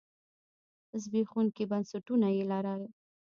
زبېښونکي بنسټونه یې لرل.